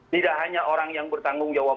tidak hanya orang yang bertanggung jawab